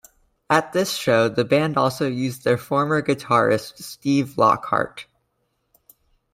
At this show the band also used their former guitarist Steve Lockhart.